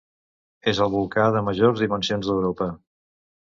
És el volcà de majors dimensions d'Europa.